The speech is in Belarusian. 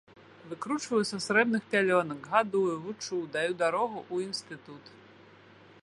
Выкручваю са зрэбных пялёнак, гадую, вучу, даю дарогу ў інстытут.